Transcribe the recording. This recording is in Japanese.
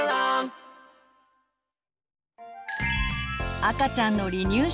赤ちゃんの離乳食。